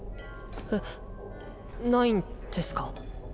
えっないんですか？